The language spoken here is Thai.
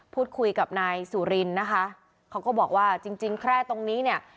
พูดคุยกับนายสุรินนะคะเขาก็บอกว่าจริงจริงแคร่ตรงนี้เนี่ย